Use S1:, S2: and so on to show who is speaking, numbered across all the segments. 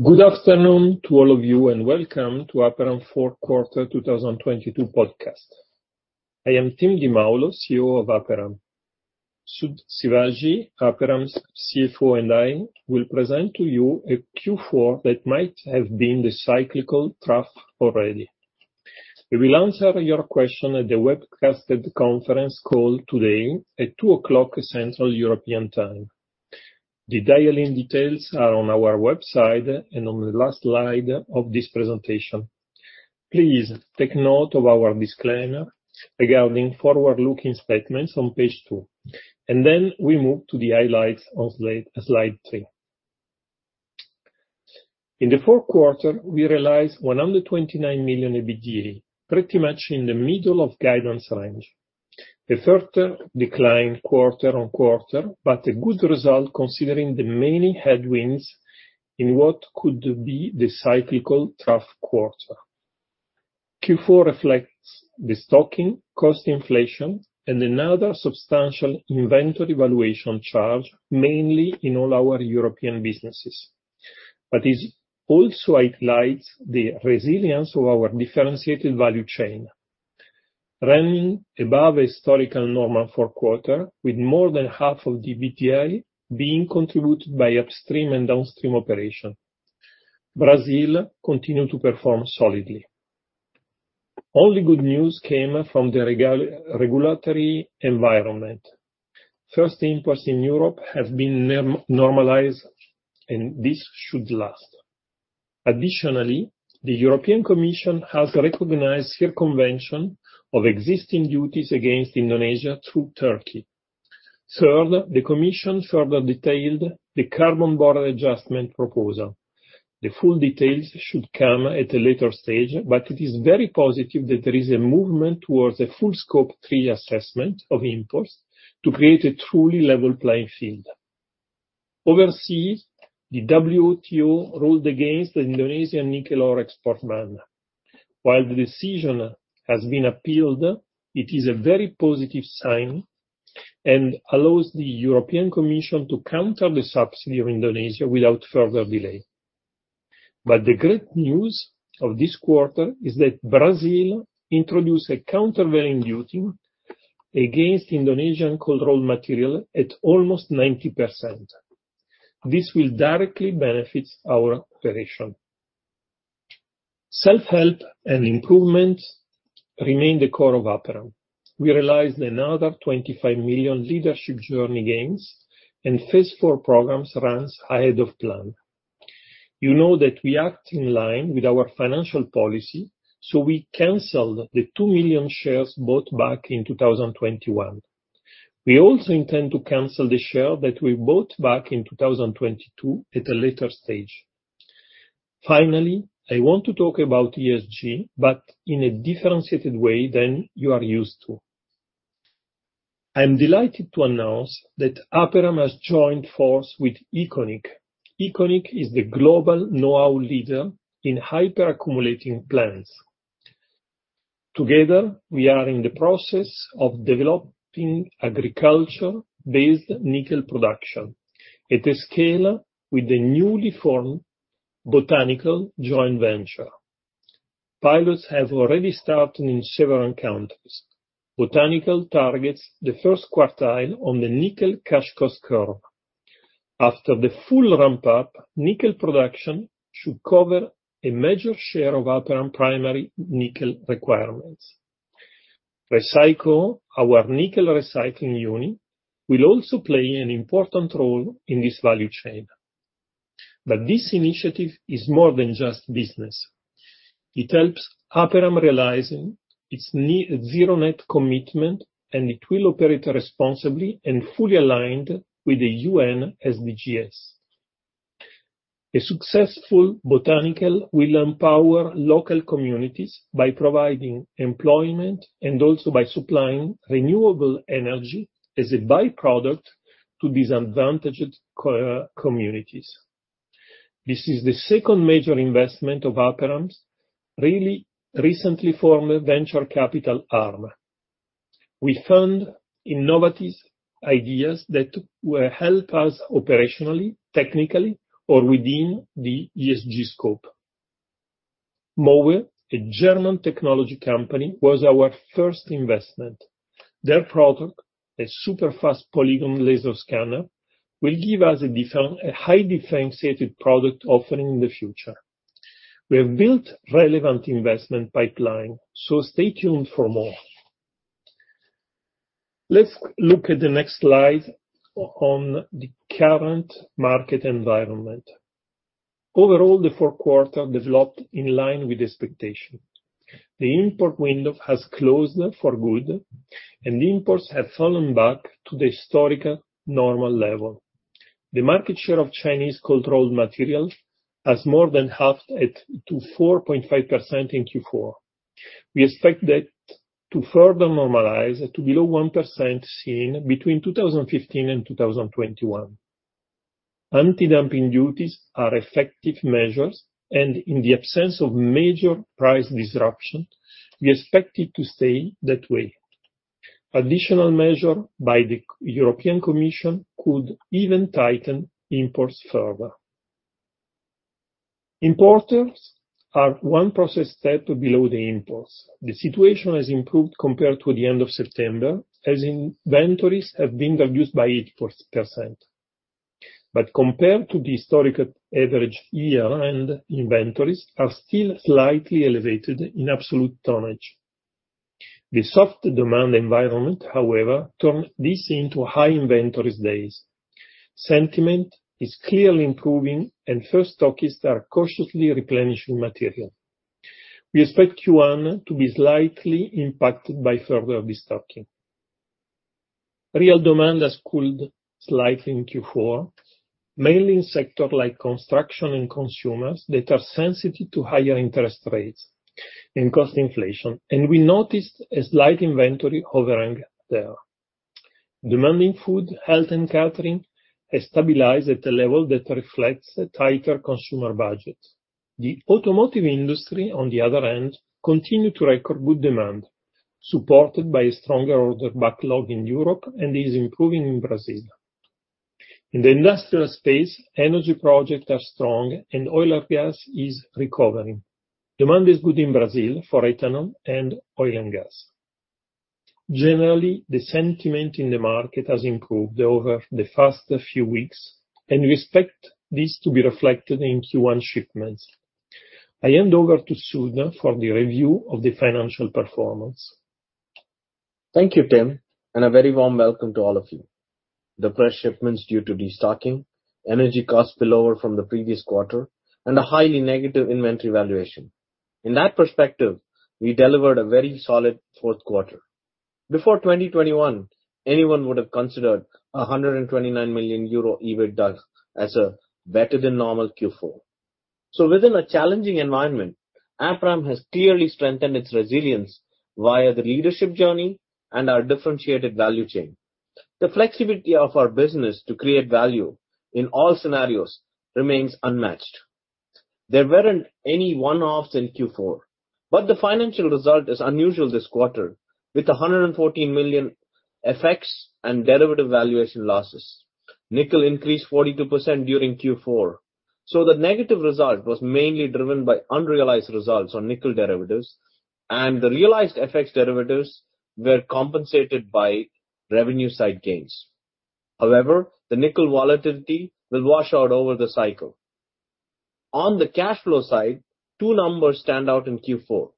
S1: Good afternoon to all of you. Welcome to Aperam fourth quarter 2022 podcast. I am Timoteo Di Maulo, CEO of Aperam. Sud Sivaji, Aperam's CFO, I will present to you a Q4 that might have been the cyclical trough already. We will answer your question at the webcasted conference call today at 2:00 P.M. Central European Time. The dial-in details are on our website and on the last slide of this presentation. Please take note of our disclaimer regarding forward-looking statements on page two. Then we move to the highlights on slide three. In the fourth quarter, we realized 129 million EBITDA, pretty much in the middle of guidance range. A further decline quarter-on-quarter, but a good result considering the many headwinds in what could be the cyclical trough quarter. Q4 reflects the stocking, cost inflation and another substantial inventory valuation charge, mainly in all our European businesses. It also highlights the resilience of our differentiated value chain, running above historical normal for quarter, with more than half of the EBITDA being contributed by upstream and downstream operations. Brazil continued to perform solidly. Good news came from the regulatory environment. First imports in Europe have been normalized and this should last. The European Commission has recognized circumvention of existing duties against Indonesia through Turkey. The Commission further detailed the Carbon Border Adjustment Mechanism. The full details should come at a later stage, it is very positive that there is a movement towards a full Scope 3 assessment of imports to create a truly level playing field. Overseas, the WTO ruled against the Indonesian nickel ore export ban. While the decision has been appealed, it is a very positive sign and allows the European Commission to counter the subsidy of Indonesia without further delay. The great news of this quarter is that Brazil introduced a countervailing duty against Indonesian cold-rolled material at almost 90%. This will directly benefit our operation. Self-help and improvement remain the core of Aperam. We realized another 25 million Leadership Journey gains and Phase four programs runs ahead of plan. You know that we act in line with our financial policy, we canceled the 2 million shares bought back in 2021. We also intend to cancel the share that we bought back in 2022 at a later stage. Finally, I want to talk about ESG, in a differentiated way than you are used to. I am delighted to announce that Aperam has joined force with Econick. Econick is the global knowhow leader in hyperaccumulating plants. Together, we are in the process of developing agriculture-based nickel production at a scale with the newly formed Botanickel joint venture. Pilots have already started in several countries. Botanickel targets the first quartile on the nickel cash cost curve. After the full ramp up, nickel production should cover a major share of Aperam primary nickel requirements. Recyco, our nickel recycling unit, will also play an important role in this value chain. This initiative is more than just business. It helps Aperam realizing its net zero commitment, and it will operate responsibly and fully aligned with the UN SDGs. A successful Botanickel will empower local communities by providing employment and also by supplying renewable energy as a by-product to disadvantaged communities. This is the second major investment of Aperam's really recently formed venture capital arm. We fund innovative ideas that will help us operationally, technically, or within the ESG scope. MOWEA, a German technology company, was our first investment. Their product, a superfast polygon laser scanner, will give us a high differentiated product offering in the future. We have built relevant investment pipeline. Stay tuned for more. Let's look at the next slide on the current market environment. Overall, the fourth quarter developed in line with expectation. The import window has closed for good. Imports have fallen back to the historical normal level. The market share of Chinese cold-rolled materials has more than halved to 4.5% in Q4. We expect that to further normalize to below 1% seen between 2015 and 2021. Anti-dumping duties are effective measures, and in the absence of major price disruption, we expect it to stay that way. Additional measure by the European Commission could even tighten imports further. Importers are one process step below the imports. The situation has improved compared to the end of September, as inventories have been reduced by 80%. Compared to the historical average year, inventories are still slightly elevated in absolute tonnage. The soft demand environment, however, turned this into high inventories days. Sentiment is clearly improving and first stockists are cautiously replenishing material. We expect Q1 to be slightly impacted by further destocking. Real demand has cooled slightly in Q4, mainly in sector like construction and consumers that are sensitive to higher interest rates and cost inflation. We noticed a slight inventory overhang there. Demand in food, health, and catering has stabilized at a level that reflects a tighter consumer budget. The automotive industry, on the other hand, continued to record good demand, supported by a stronger order backlog in Europe and is improving in Brazil. In the industrial space, energy projects are strong and oil and gas is recovering. Demand is good in Brazil for ethanol and oil and gas. Generally, the sentiment in the market has improved over the past few weeks, and we expect this to be reflected in Q1 shipments. I hand over to Sud, for the review of the financial performance.
S2: Thank you, Tim, a very warm welcome to all of you. The press shipments due to destocking, energy costs below from the previous quarter and a highly negative inventory valuation. In that perspective, we delivered a very solid fourth quarter. Before 2021, anyone would have considered 129 million euro EBITDA as a better than normal Q4. Within a challenging environment, Aperam has clearly strengthened its resilience via the Leadership Journey and our differentiated value chain. The flexibility of our business to create value in all scenarios remains unmatched. There weren't any one-offs in Q4, but the financial result is unusual this quarter, with 114 million FX and derivative valuation losses. Nickel increased 42% during Q4. The negative result was mainly driven by unrealized results on nickel derivatives, and the realized FX derivatives were compensated by revenue side gains. The nickel volatility will wash out over the cycle. On the cash flow side, two numbers stand out in Q4.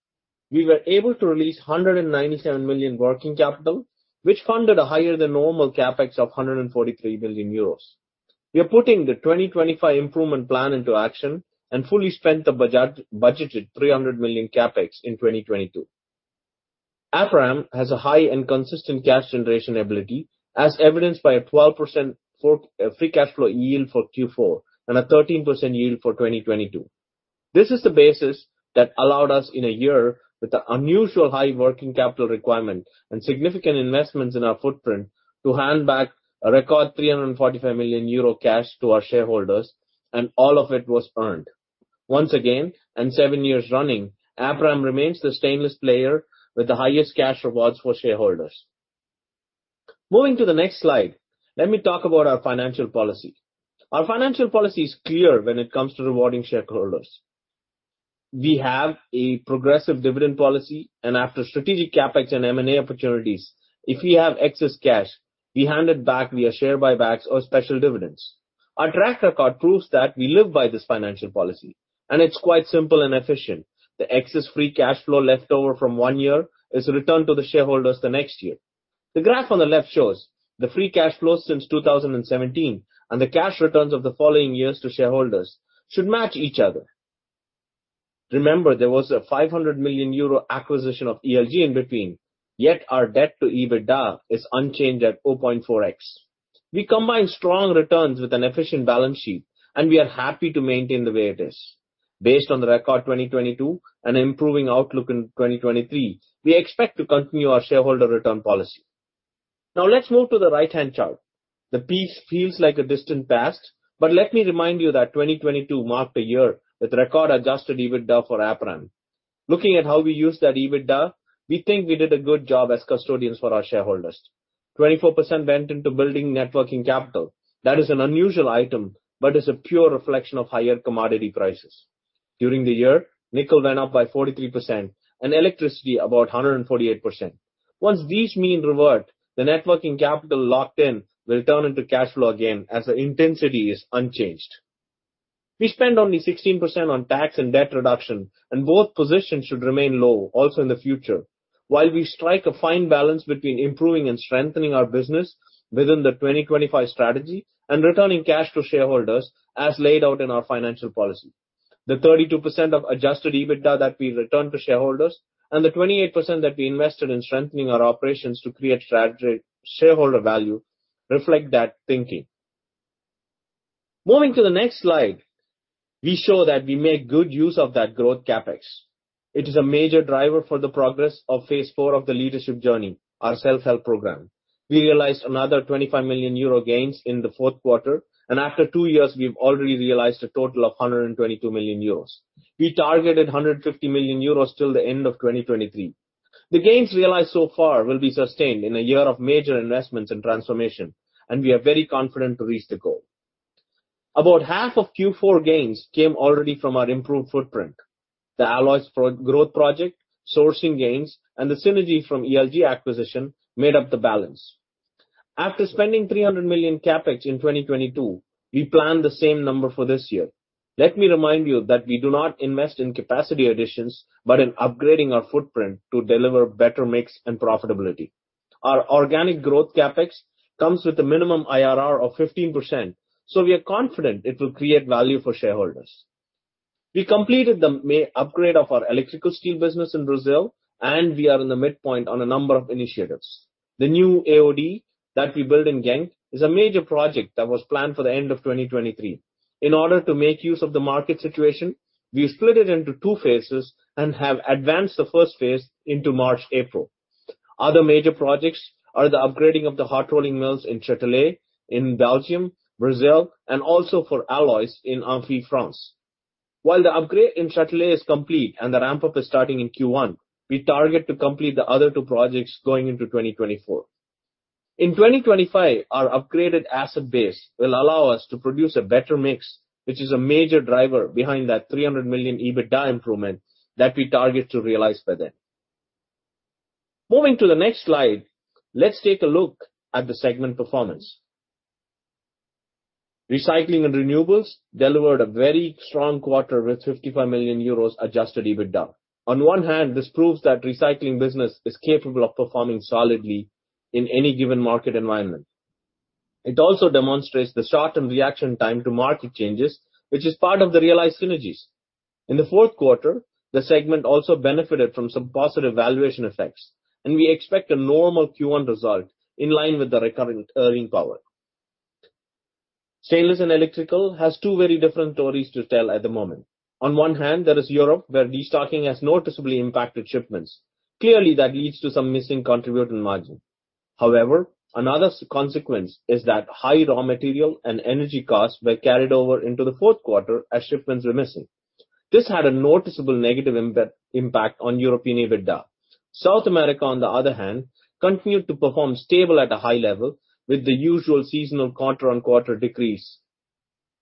S2: We were able to release 197 million working capital, which funded a higher than normal CapEx of 143 million euros. We are putting the 2025 improvement plan into action and fully spent the budgeted 300 million CapEx in 2022. Aperam has a high and consistent cash generation ability, as evidenced by a 12% free cash flow yield for Q4 and a 13% yield for 2022. This is the basis that allowed us in a year with an unusual high working capital requirement and significant investments in our footprint to hand back a record 345 million euro cash to our shareholders, all of it was earned. Once again, and seven years running, Aperam remains the stainless player with the highest cash rewards for shareholders. Moving to the next slide, let me talk about our financial policy. Our financial policy is clear when it comes to rewarding shareholders. We have a progressive dividend policy, and after strategic CapEx and M&A opportunities, if we have excess cash, we hand it back via share buybacks or special dividends. Our track record proves that we live by this financial policy, and it's quite simple and efficient. The excess free cash flow left over from one year is returned to the shareholders the next year. The graph on the left shows the free cash flow since 2017 and the cash returns of the following years to shareholders should match each other. Remember, there was a 500 million euro acquisition of ELG in between, yet our debt to EBITDA is unchanged at 0.4x. We combine strong returns with an efficient balance sheet, we are happy to maintain the way it is. Based on the record 2022 and improving outlook in 2023, we expect to continue our shareholder return policy. Now let's move to the right-hand chart. The piece feels like a distant past, let me remind you that 2022 marked a year with record Adjusted EBITDA for Aperam. Looking at how we used that EBITDA, we think we did a good job as custodians for our shareholders. 24% went into building net working capital. That is an unusual item, but is a pure reflection of higher commodity prices. During the year, nickel went up by 43% and electricity about 148%. Once these mean revert, the net working capital locked in will turn into cash flow again as the intensity is unchanged. We spend only 16% on tax and debt reduction, and both positions should remain low also in the future. While we strike a fine balance between improving and strengthening our business within the 2025 strategy and returning cash to shareholders as laid out in our financial policy. The 32% of adjusted EBITDA that we return to shareholders and the 28% that we invested in strengthening our operations to create shareholder value reflect that thinking. Moving to the next slide, we show that we make good use of that growth CapEx. It is a major driver for the progress of Phase four of the Leadership Journey, our Self-Help program. We realized another 25 million euro gains in the fourth quarter, and after two years, we've already realized a total of 122 million euros. We targeted 150 million euros till the end of 2023. The gains realized so far will be sustained in a year of major investments and transformation, and we are very confident to reach the goal. About half of Q4 gains came already from our improved footprint. The Alloys pro-growth project, sourcing gains, and the synergy from ELG acquisition made up the balance. After spending 300 million CapEx in 2022, we plan the same number for this year. Let me remind you that we do not invest in capacity additions, but in upgrading our footprint to deliver better mix and profitability. Our organic growth CapEx comes with a minimum IRR of 15%, so we are confident it will create value for shareholders. We completed the upgrade of our electrical steel business in Brazil, and we are in the midpoint on a number of initiatives. The new AOD that we built in Genk is a major project that was planned for the end of 2023. In order to make use of the market situation, we split it into two phases and have advanced the first phase into March, April. Other major projects are the upgrading of the hot rolling mills in Châtelet, in Belgium, Brazil and also for alloys in Imphy, France. While the upgrade in Châtelet is complete and the ramp-up is starting in Q1, we target to complete the other twoprojects going into 2024. In 2025, our upgraded asset base will allow us to produce a better mix, which is a major driver behind that 300 million EBITDA improvement that we target to realize by then. Moving to the next slide, let's take a look at the segment performance. Recycling & Renewables delivered a very strong quarter with 55 million euros adjusted EBITDA. On one hand, this proves that recycling business is capable of performing solidly in any given market environment. It also demonstrates the shortened reaction time to market changes, which is part of the realized synergies. In the fourth quarter, the segment also benefited from some positive valuation effects and we expect a normal Q1 result in line with the recurrent earning power. Stainless & Electrical has two very different stories to tell at the moment. On one hand, there is Europe where destocking has noticeably impacted shipments. That leads to some missing contribution margin. Another consequence is that high raw material and energy costs were carried over into the fourth quarter as shipments were missing. This had a noticeable negative impact on European EBITDA. South America, on the other hand, continued to perform stable at a high level with the usual seasonal quarter-over-quarter decrease.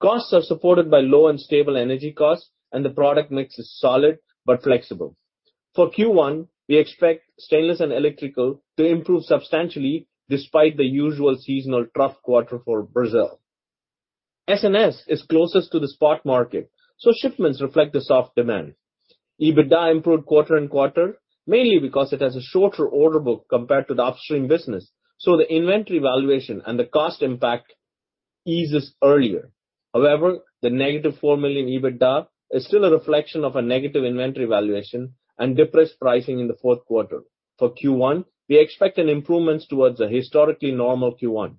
S2: Costs are supported by low and stable energy costs, the product mix is solid but flexible. For Q1, we expect Stainless & Electrical to improve substantially despite the usual seasonal trough quarter for Brazil. S&S is closest to the spot market, shipments reflect the soft demand. EBITDA improved quarter-over-quarter, mainly because it has a shorter order book compared to the upstream business, the inventory valuation and the cost impact eases earlier. The -4 million EBITDA is still a reflection of a negative inventory valuation and depressed pricing in the fourth quarter. For Q1, we expect an improvement towards a historically normal Q1.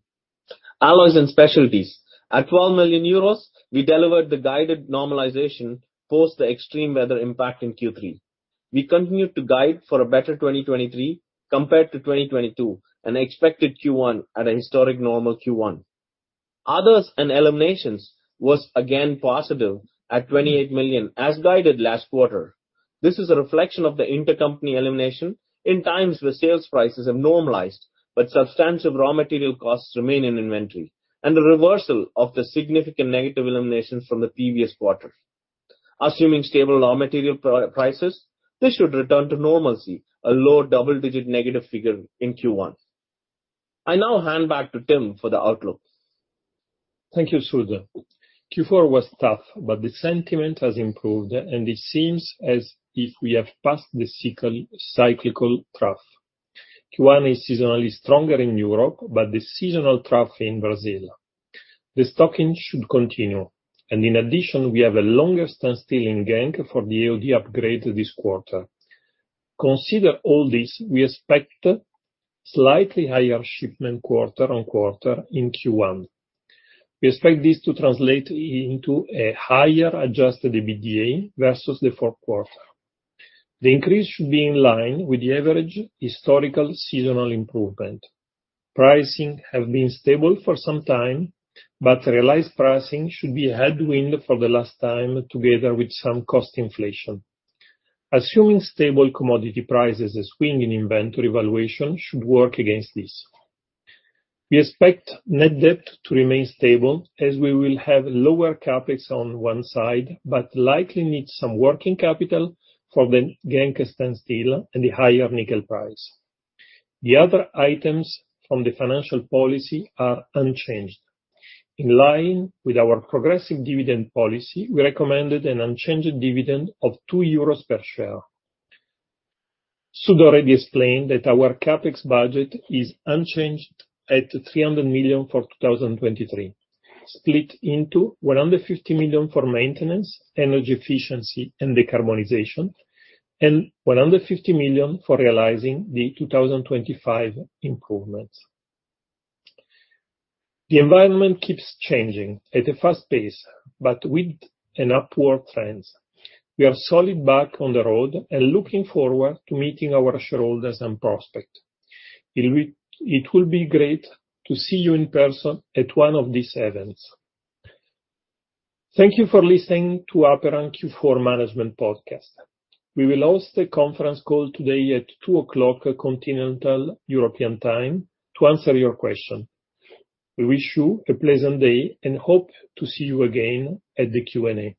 S2: Alloys & Specialties. At 12 million euros, we delivered the guided normalization post the extreme weather impact in Q3. We continue to guide for a better 2023 compared to 2022 and expected Q1 at a historically normal Q1. Others and eliminations was again positive at 28 million as guided last quarter. This is a reflection of the intercompany elimination in times where sales prices have normalized, but substantial raw material costs remain in inventory and the reversal of the significant negative eliminations from the previous quarter. Assuming stable raw material prices, this should return to normalcy, a low double-digit negative figure in Q1. I now hand back to Tim for the outlook.
S1: Thank you, Sud. Q4 was tough, but the sentiment has improved, and it seems as if we have passed the cyclical trough. Q1 is seasonally stronger in Europe, but the seasonal trough in Brazil. The stocking should continue. In addition, we have a longer standstill in Genk for the AOD upgrade this quarter. Consider all this, we expect slightly higher shipment quarter-on-quarter in Q1. We expect this to translate into a higher adjusted EBITDA versus the fourth quarter. The increase should be in line with the average historical seasonal improvement. Pricing have been stable for some time, Realized pricing should be a headwind for the last time together with some cost inflation. Assuming stable commodity prices, a swing in inventory valuation should work against this. We expect net debt to remain stable as we will have lower CapEx on one side, but likely need some working capital for the Genk standstill and the higher nickel price. The other items from the financial policy are unchanged. In line with our progressive dividend policy, we recommended an unchanged dividend of 2 euros per share. Sud already explained that our CapEx budget is unchanged at 300 million for 2023, split into 150 million for maintenance, energy efficiency and decarbonization, and 150 million for realizing the 2025 improvements. The environment keeps changing at a fast pace, but with an upward trends. We are solid back on the road and looking forward to meeting our shareholders and prospect. It will be great to see you in person at one of these events. Thank you for listening to Aperam Q4 management podcast. We will host a conference call today at 2:00 P.M. Central European Time to answer your question. We wish you a pleasant day and hope to see you again at the Q&A.